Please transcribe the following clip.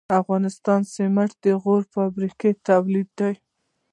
د افغانستان سمنټ د غوري فابریکې تولید دي